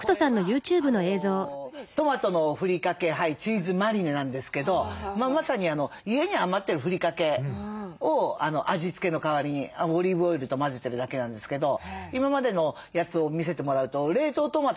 これはトマトのふりかけチーズマリネなんですけどまさに家に余ってるふりかけを味付けの代わりにオリーブオイルと混ぜてるだけなんですけど今までのやつを見せてもらうと冷凍トマトでもいいですよね。